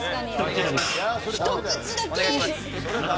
一口だけ。